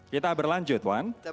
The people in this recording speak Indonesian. kita berlanjut wan